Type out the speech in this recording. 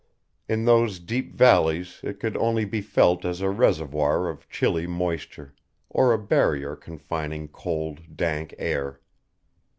In those deep valleys it could only be felt as a reservoir of chilly moisture, or a barrier confining cold, dank air.